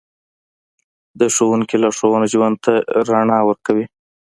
د ښوونکي لارښوونه ژوند ته رڼا ورکوي.